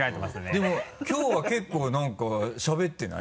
でもきょうは結構何かしゃべってない？